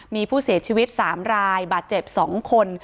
มีผู้เสียชีวิต๓รายบาดเจ็บ๒คน